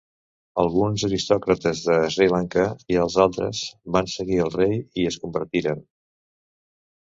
Alguns aristòcrates de Sri Lanka i els altres van seguir el rei i es convertiren.